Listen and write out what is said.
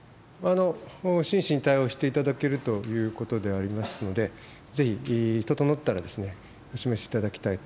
真摯に対応していただけるということでありますので、ぜひ整ったら、お示しいただきたいと。